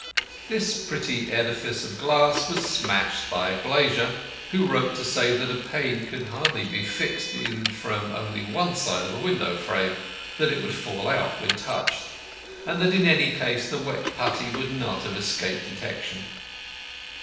This pretty edifice of glass was smashed by a glazier, who wrote to say that a pane could hardly be fixed in from only one side of a window frame, that it would fall out when touched, and that in any case the wet putty could not have escaped detection.